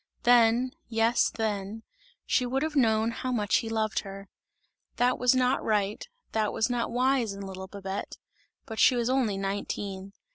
Then, yes then, she would have known how much he loved her. That was not right, that was not wise in little Babette; but she was only nineteen!